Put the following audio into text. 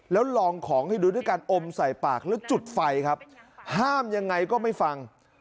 แล้วลองของให้ดูด้วยการอมใส่ปากแล้วจุดไฟครับห้ามยังไงก็ไม่ฟัง